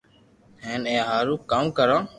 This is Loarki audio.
ھين اي ھارون ڪاو ڪرو